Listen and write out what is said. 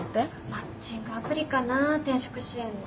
マッチングアプリかな転職支援の。